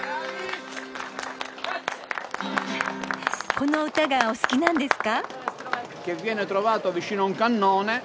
この歌がお好きなんですか？